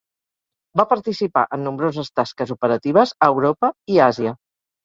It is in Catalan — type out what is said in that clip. Va participar en nombroses tasques operatives a Europa i Àsia.